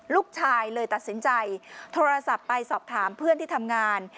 ลูกชายเลยตัดสินใจโทรศัพท์ไปสอบถามเพื่อนที่ทำงาน